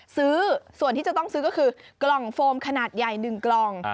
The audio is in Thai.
ซื้อส่วนที่จะต้องซื้อก็คือกล่องโฟมขนาดใหญ่๑กล่อง